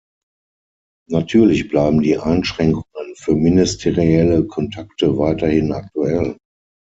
Natürlich bleiben die Einschränkungen für ministerielle Kontakte weiterhin aktuell.